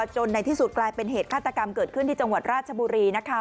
จนในที่สุดกลายเป็นเหตุฆาตกรรมเกิดขึ้นที่จังหวัดราชบุรีนะคะ